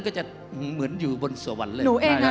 ก็จะเหมือนอยู่บนสวรรค์เลย